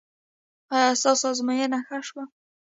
ایا ستاسو ازموینه ښه شوه؟